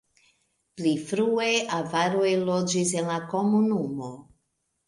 Pli frue avaroj loĝis en la komunumo.